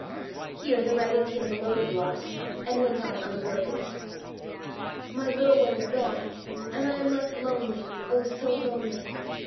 Here the writing came below the blot, and went on unbroken. "My little one is gone and I am left lonely oh so lonely.